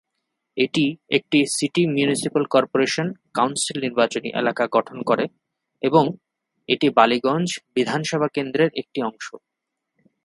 এটি একটি city municipal corporation council নির্বাচনী এলাকা গঠন করে এবং এটি বালিগঞ্জ বিধানসভা কেন্দ্রের একটি অংশ।